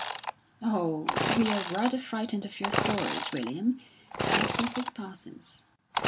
"Oh, we're rather frightened of your stories, William," said Mrs. Parsons.